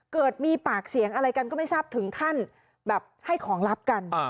เกิดมีปากเสียงอะไรกันก็ไม่ทราบถึงขั้นแบบให้ของลับกัน